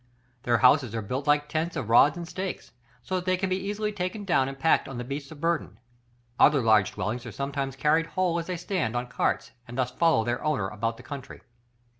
Their houses are built like tents of rods and stakes, so that they can be easily taken down and packed on the beasts of burden. Other larger dwellings are sometimes carried whole as they stand, on carts, and thus follow their owner about the country.